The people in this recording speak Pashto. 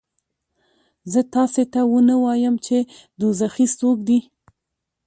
زه تاسې ته ونه وایم چې دوزخي څوک دي؟